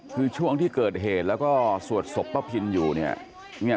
คือช่วงที่เกิดเหตุแล้วก็สวดศพป้าพินอยู่เนี่ย